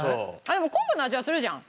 でも昆布の味はするじゃん。